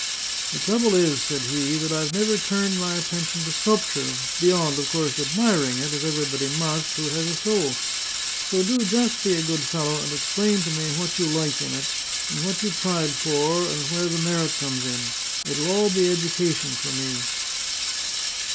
"The trouble is," said he, "that I've never turned my attention to sculpture, beyond, of course, admiring it, as everybody must who has a soul. So do just be a good fellow, and explain to me what you like in it, and what you tried for, and where the merit comes in. It'll be all education for me."